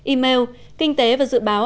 email kinh tế và dự báo